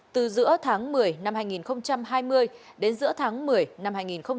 từ giữa tháng một mươi năm hai nghìn hai mươi đến giữa tháng một mươi năm hai nghìn hai mươi